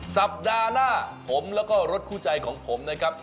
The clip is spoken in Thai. สัปดาห์หน้าผมแล้วก็รถคู่ใจของผมนะครับ